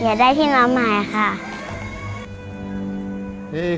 อยากได้ที่นอนใหม่